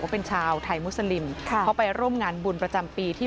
เพราะไปร่วมงานบุญประจำปีที่